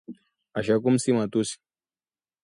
ashakum si matusi